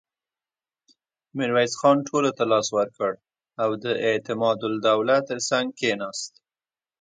ميرويس خان ټولو ته لاس ورکړ او د اعتماد الدوله تر څنګ کېناست.